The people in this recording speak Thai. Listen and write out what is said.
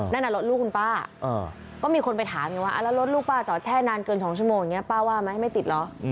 นั่นน่ะรถลูกคุณป้าก็มีคนไปถามไงว่าแล้วรถลูกป้าจอดแช่นานเกิน๒ชั่วโมงอย่างนี้ป้าว่าไหมไม่ติดเหรอ